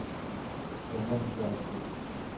Te nebijartiye.